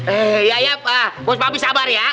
eh ya ya bos papi sabar ya